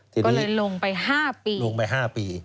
ก็เลยลงไป๕ปี